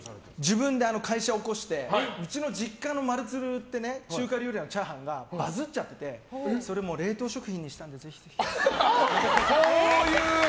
自分で会社を興してうちの実家の中華料理屋のチャーハンがバズっててそれを冷凍食品にしたのでぜひぜひ。